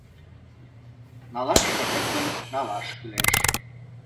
— Налаш шонет гын, налаш кӱлеш.